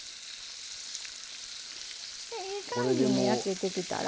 でいい感じに焼けてきたら。